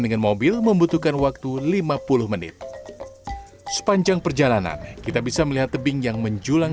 dengan mobil membutuhkan waktu lima puluh menit sepanjang perjalanan kita bisa melihat tebing yang menjulang